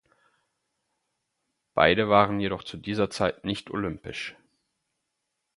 Beide waren jedoch zu dieser Zeit nicht olympisch.